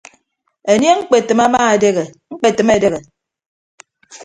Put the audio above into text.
Enie ñkpetịm ama edehe ñkpetịm edehe.